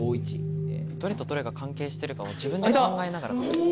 どれとどれが関係してるかを自分で考えながら解いて行く。